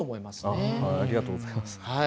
ありがとうございます。